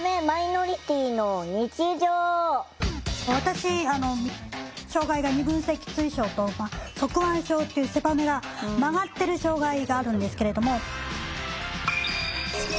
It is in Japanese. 私障害が二分脊椎症と側弯症っていう背骨が曲がってる障害があるんですけれども。